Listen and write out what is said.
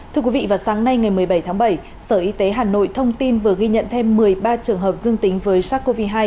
thưa quý vị vào sáng nay ngày một mươi bảy tháng bảy sở y tế hà nội thông tin vừa ghi nhận thêm một mươi ba trường hợp dương tính với sars cov hai